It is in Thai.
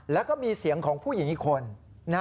แล้วก็มีเสียงของผู้หญิงอีกคน